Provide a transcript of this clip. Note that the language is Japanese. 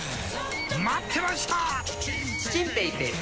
待ってました！